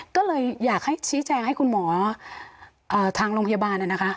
ก็เลยอยากให้ชี้แจงให้คุณหมอทางโรงพยาบาลนะคะ